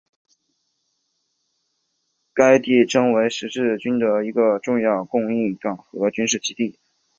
该地曾为十字军的一个重要的供应港和军事基地。